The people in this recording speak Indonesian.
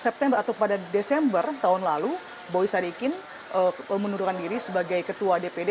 pada desember tahun lalu boy sadikin menurunkan diri sebagai ketua dpd